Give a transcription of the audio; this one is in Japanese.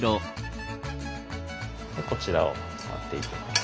こちらを割っていきます。